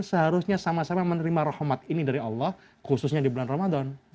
seharusnya sama sama menerima rahmat ini dari allah khususnya di bulan ramadan